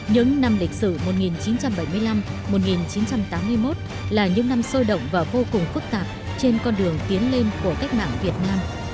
những năm lịch sử một nghìn chín trăm bảy mươi năm một nghìn chín trăm tám mươi một là những năm sôi động và vô cùng phức tạp trên con đường tiến lên của cách mạng việt nam